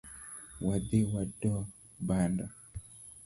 Wadhi wado bando.